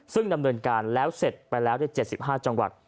ซึ่งดำเนินการแล้วเสร็จไปแล้วใน๗๕จังหวัด